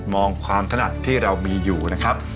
มองความถนัดที่เรามีอยู่นะครับ